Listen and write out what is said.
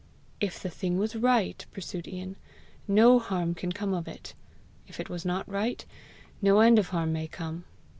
"If the thing was right," pursued Ian, "no harm can come of it; if it was not right, no end of harm may come.